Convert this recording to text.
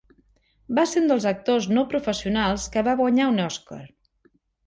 Va ser un dels actors no professionals que va guanyar un Oscar.